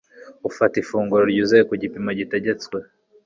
ufata ifunguro ryuzuye ku gipimo gitegetswe